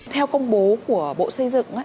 theo công bố của bộ xây dựng